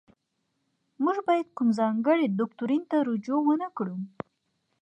موږ باید کوم ځانګړي دوکتورین ته رجوع ونکړو.